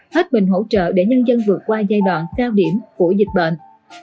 hết bình hỗ trợ để nhân dân vượt qua giai đoạn cao điểm của dịch bệnh